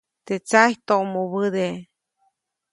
Teʼ tsajy toʼmubäde.